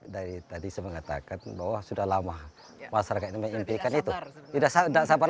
dari tadi saya mengatakan bahwa sudah lama masyarakat ini mengimpikan itu